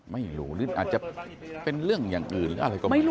ไม่รู้หรืออาจจะเป็นเรื่องอย่างอื่นหรืออะไรก็ไม่รู้